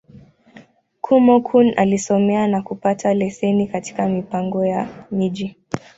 Kúmókụn alisomea, na kupata leseni katika Mipango ya Miji.